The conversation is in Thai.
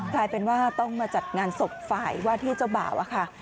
กลายเป็นว่าต้องมาจัดงานศพฝ่ายว่าที่เจ้าบ่าวอะค่ะ